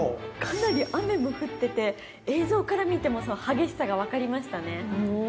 かなり雨も降ってて映像から見ても激しさが分かりましたね。